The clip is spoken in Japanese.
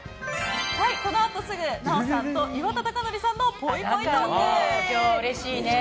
このあとすぐ奈緒さんと岩田剛典さんのぽいぽいトーク。